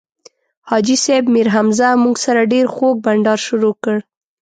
حاجي صیب میرحمزه موږ سره ډېر خوږ بنډار شروع کړ.